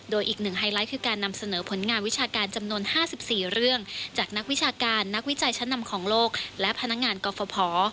โดยอีกหนึ่งไฮไลท์คือการนำเสนอผลงานวิชาการจำนวน๕๔เรื่องจากนักวิชาการนักวิจัยชั้นนำของโลกและพนักงานกรฟภ